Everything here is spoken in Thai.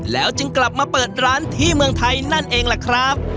แล้วจึงกลับมาเปิดร้านที่เมืองไทยนั่นเองล่ะครับ